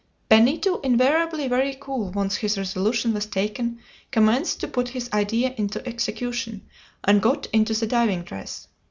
Benito, invariably very cool once his resolution was taken, commenced to put his idea into execution, and got into the diving dress.